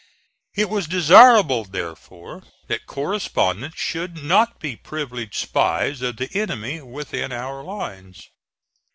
It was desirable, therefore, that correspondents should not be privileged spies of the enemy within our lines.